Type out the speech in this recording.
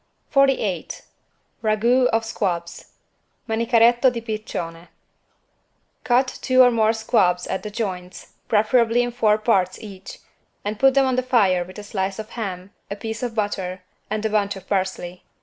48 RAGOUT OF SQUABS (Manicaretto di piccione) Cut two or more squabs at the joints, preferably in four parts each, and put them on the fire with a slice of ham, a piece of butter, and a bunch of parsley.